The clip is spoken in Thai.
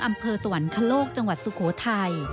อำเภอสวรรคโลกจังหวัดสุโขทัย